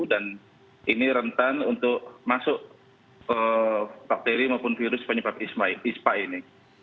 dan ini rentan untuk masuk bakteri maupun virus penyebab ispa ini